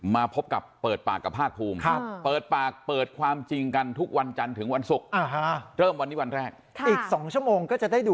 เห็นพี่อุ๋ยเดินสายโปรโมทชั่นตั้งแต่ตลอนข่าว